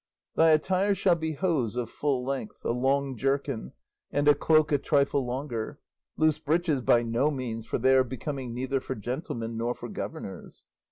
"Thy attire shall be hose of full length, a long jerkin, and a cloak a trifle longer; loose breeches by no means, for they are becoming neither for gentlemen nor for governors.